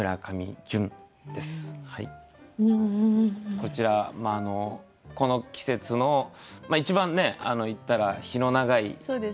こちらこの季節の一番ね言ったら日の長い月じゃないですか。